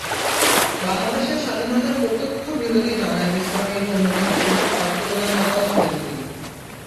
বাংলাদেশের স্বাধীনতার প্রত্যক্ষ বিরোধী জামায়াতে ইসলামীর অন্যতম প্রধান অর্থ জোগানদাতাও ছিলেন তিনি।